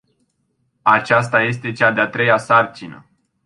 Aceasta este cea de-a treia sarcină.